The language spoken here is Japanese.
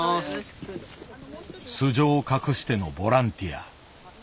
素性を隠してのボランティア。